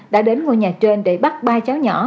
đã đến ngôi nhà trên để bắt ba cháu nhỏ